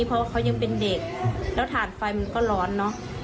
เพราะว่าเขายังเป็นเด็กแล้วถ่านไฟมันก็ร้อนเนอะ